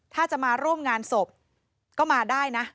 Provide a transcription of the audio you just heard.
ถ้าจะมาร่วมงานศพก็มาได้นะ